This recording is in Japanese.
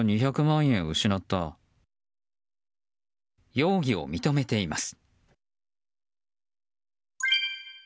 容疑を認めています。